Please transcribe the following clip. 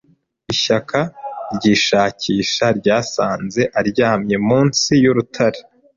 Ishyaka ryishakisha ryasanze aryamye munsi y’urutare.